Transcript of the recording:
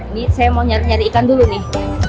ini saya mau nyari ikan dulu nih